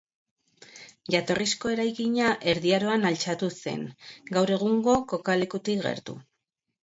Jatorrizko eraikina Erdi Aroan altxatu zen, gaur egungo kokalekutik gertu.